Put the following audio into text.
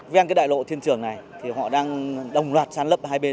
về đại lộ thiên trường này họ đang đồng loạt sản lập hai bên